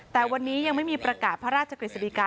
แต่วันนี้ยังไม่มีประกาศพระราชกฤษฎิกา